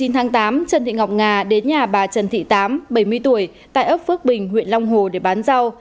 một mươi tháng tám trần thị ngọc nga đến nhà bà trần thị tám bảy mươi tuổi tại ấp phước bình huyện long hồ để bán rau